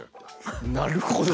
なるほど。